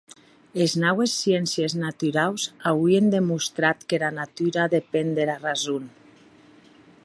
Es naues sciéncies naturaus auien demostrat qu'era natura depen dera rason.